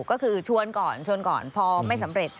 ก็คือชวนก่อนชวนก่อนพอไม่สำเร็จ